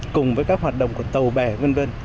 cùng với các hoạt động của tàu bè v v